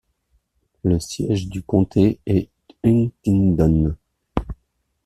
Le siège du comté est Huntingdon.